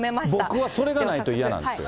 僕はそれがないと嫌なんですよ。